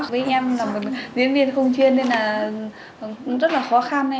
với em là một diễn viên không chuyên nên là rất là khó